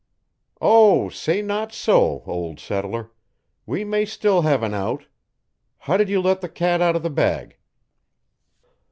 "Oh, say not so, old settler. We may still have an out. How did you let the cat out of the bag?"